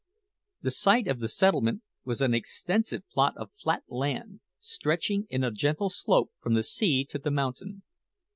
The site of the settlement was an extensive plot of flat land, stretching in a gentle slope from the sea to the mountain.